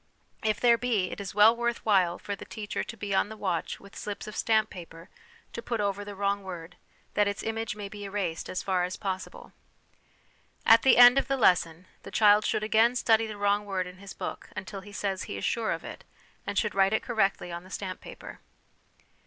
If there be, it is well worth while for the teacher to be on the watch with slips of stamp paper to put over the wrong word, that its image may be erased as far as possible. At the end of the lesson, the child should again study the wrong word in his book until he says he is sure of it, and should write it correctly on the stamp paper.